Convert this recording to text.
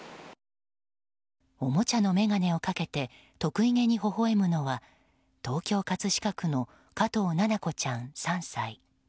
おもちゃの眼鏡をかけて得意げにほほ笑むのは東京・葛飾区の加藤七菜子ちゃん、３歳。